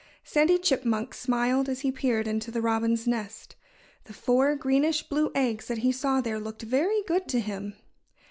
Sandy Chipmunk smiled as he peered into the robin's nest. The four greenish blue eggs that he saw there looked very good to him.